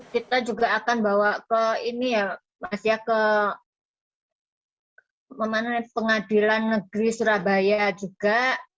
kita juga akan bawa ke pengadilan negeri surabaya juga